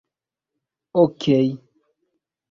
okej